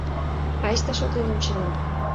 Айста шотлен ончена.